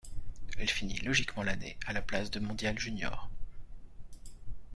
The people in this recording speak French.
Elle finit logiquement l'année à la place de mondiale junior.